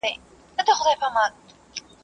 زه اوږده وخت د سبا لپاره د ژبي تمرين کوم